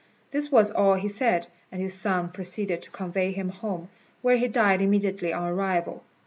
This was all he said, and his son proceeded to convey him home, where he died immediately on arrival.